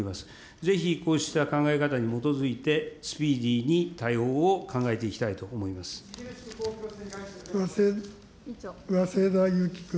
ぜひこうした考え方に基づいて、スピーディーに対応を考えていき早稲田ゆき君。